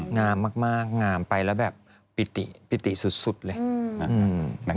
งามมากงามไปแล้วแบบปิติปิติสุดเลย